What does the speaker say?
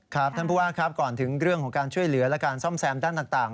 ครับท่านผู้ว่าครับก่อนถึงเรื่องของการช่วยเหลือและการซ่อมแซมด้านต่าง